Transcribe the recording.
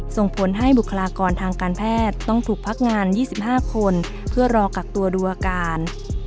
ส่งผลให้บุคลากรทางการแพทย์ต้องถูกพักงาน๒๕คนเพื่อรอกักตัวดูอาการ